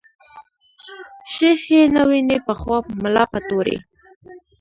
شيخ ئې نه ويني په خواب ملا په توري